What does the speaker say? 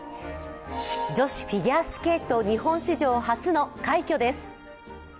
女子フィギュアスケート日本史上初の快挙です。